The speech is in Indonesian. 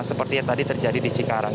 seperti yang tadi terjadi di cikarang